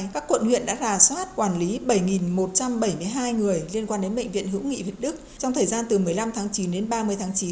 các quận huyện đã rà soát quản lý bảy một trăm bảy mươi hai người liên quan đến bệnh viện hữu nghị việt đức trong thời gian từ một mươi năm tháng chín đến ba mươi tháng chín